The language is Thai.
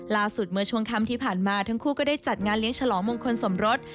เมื่อช่วงคำที่ผ่านมาทั้งคู่ก็ได้จัดงานเลี้ยงฉลองมงคลสมรส